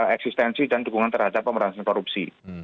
eksistensi dan dukungan terhadap pemerintahan korupsi